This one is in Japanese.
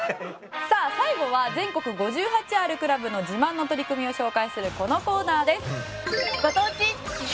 さあ最後は全国５８あるクラブの自慢の取り組みを紹介するこのコーナーです。